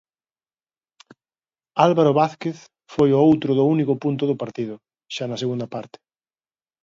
Álvaro Vázquez foi o outro do único punto do partido, xa na segunda parte.